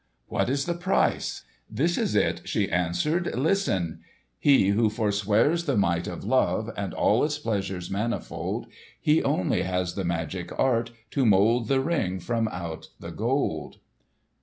"What is the price?" "This is it," she answered. "Listen "'He who forswears the might of love, And all its pleasures manifold, He only has the magic art To mould the Ring from out the Gold.